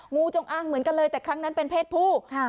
งูจงอ้างเหมือนกันเลยแต่ครั้งนั้นเป็นเพศผู้